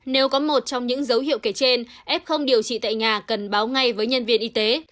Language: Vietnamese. nếu có một trong những dấu hiệu kể trên f không điều trị tại nhà cần báo ngay với nhân viên y tế